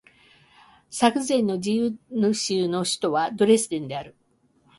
ザクセン自由州の州都はドレスデンである